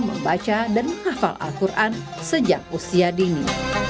membaca dan menghafal al quran sejak usia dini